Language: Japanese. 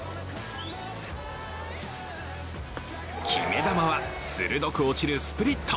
決め球は鋭く落ちるスプリット。